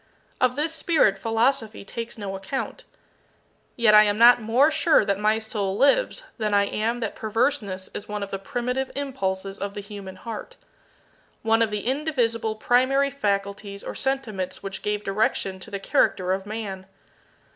Of this spirit philosophy takes no account. Yet I am not more sure that my soul lives than I am that perverseness is one of the primitive impulses of the human heart one of the indivisible primary faculties or sentiments which gave direction to the character of Man.